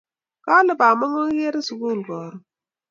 Kale bamongo kikere sukul karun